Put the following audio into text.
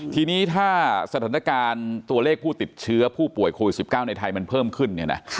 ทีนี้ถ้าสถานการณ์ตัวเลขผู้ติดเชื้อผู้ป่วยโควิด๑๙ในไทยมันเพิ่มขึ้นเนี่ยนะ